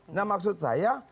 nah maksud saya